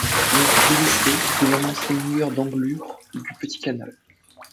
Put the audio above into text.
L'on fit l'essai, devant monseigneur d'Anglure, du petit canal.